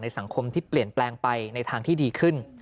สังคมที่เปลี่ยนแปลงไปในทางที่ดีขึ้น